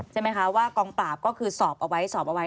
ใช่ไหมคะว่ากองปราบก็คือสอบเอาไว้สอบเอาไว้